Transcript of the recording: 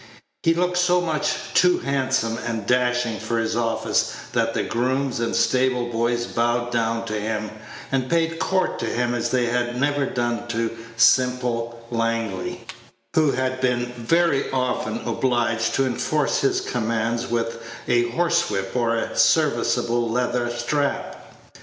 He looked so much too handsome and dashing for his office that the grooms and stable boys bowed down to him, and paid court to him as they had never done to simple Langley, who had been very often obliged to enforce his commands with a horsewhip or a serviceable leather strap.